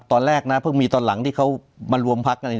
ตอนแรกนะเพิ่งมีตอนหลังที่เขามารวมพักกัน